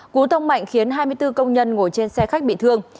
cú tông mạnh khiến hai mươi bốn công nhân ngồi trên xe khách bị thương